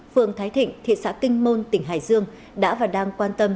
phường thái thịnh thị xã kinh môn tỉnh hải dương đã và đang quan tâm